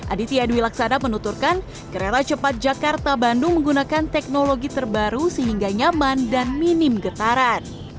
aditya dwi laksada menuturkan kereta cepat jakarta bandung menggunakan teknologi terbaru sehingga nyaman dan minim getaran